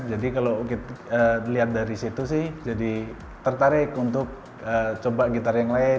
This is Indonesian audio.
jadi kalau kita lihat dari situ sih jadi tertarik untuk coba gitar yang lain